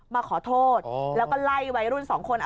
มาขอโทษและลัยวัยรุ่น๒คน